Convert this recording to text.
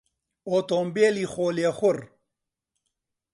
ئۆتۆمبێلی خۆلێخوڕ